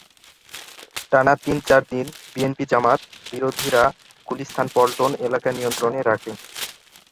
টানা তিন-চার দিন বিএনপি-জামায়াত বিরোধীরা গুলিস্তান-পল্টন এলাকা নিয়ন্ত্রণে রাখে।